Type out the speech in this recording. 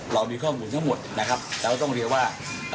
เรามีข้อมูลทั้งหมดนะครับแต่เราต้องเรียนว่า